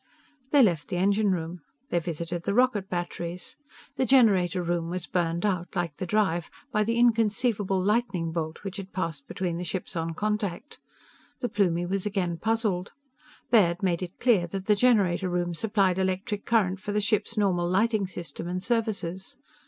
They left the engine room. They visited the rocket batteries. The generator room was burned out, like the drive, by the inconceivable lightning bolt which had passed between the ships on contact. The Plumie was again puzzled. Baird made it clear that the generator room supplied electric current for the ship's normal lighting system and services.